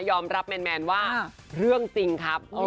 ยอมรับแมนว่าเรื่องจริงครับ